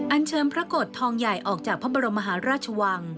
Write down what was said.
อันเชิญพระกฏทองใหญ่ออกจากพระบรมมหาราชวัง